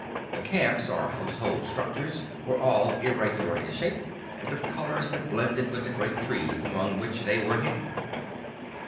The camps, or household structures, were all irregular in shape and of colors that blended with the great trees among which they were hidden.